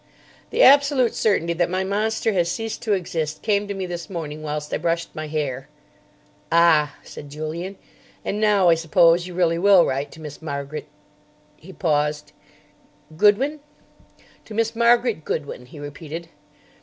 "The absolute certainty that my monster has ceased to exist came to me this morning whilst I brushed my hair." "Ah," said Julian; "and now, I suppose, you really will write to Miss Margaret——" He paused. "Goodwin?" "To Miss Margaret Goodwin," he repeated.